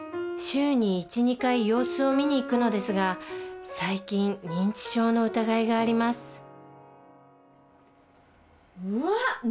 週に１２回様子を見に行くのですが最近認知症の疑いがありますうわっ！